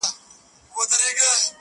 ستا د ژبې کيفيت او معرفت دی!